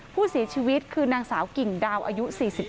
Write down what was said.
ผู้เสียชีวิตคือนางสาวกิ่งดาวอายุ๔๒